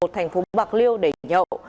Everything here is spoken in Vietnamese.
thành phố bạc liêu để nhậu